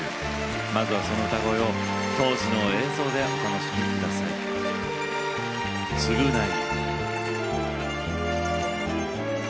まずは、その歌声を当時の映像でお楽しみください。